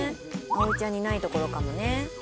葵ちゃんにないところかもね。